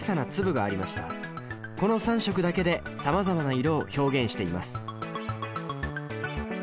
この３色だけでさまざまな色を表現しています。